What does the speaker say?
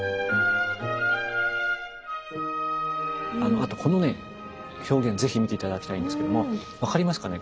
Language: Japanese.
あとこのね表現是非見て頂きたいんですけれども分かりますかね？